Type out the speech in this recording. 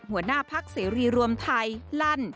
หัวหน้าพักเสรีรวมไทยลั่น